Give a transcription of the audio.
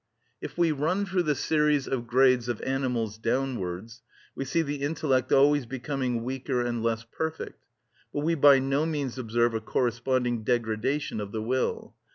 If we run through the series of grades of animals downwards, we see the intellect always becoming weaker and less perfect, but we by no means observe a corresponding degradation of the will.